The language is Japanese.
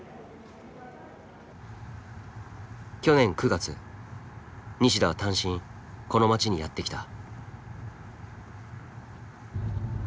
去年９月西田は単身この町にやって来た。